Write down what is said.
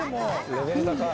レベル高い。